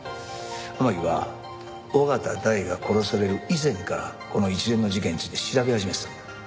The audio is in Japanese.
天樹は緒方大が殺される以前からこの一連の事件について調べ始めてたんだ。